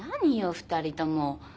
二人とも。